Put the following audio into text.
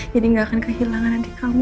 jadi tidak akan kehilangan nanti kamu